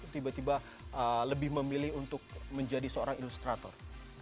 tiba tiba lebih memilih untuk menjadi seorang ilustrator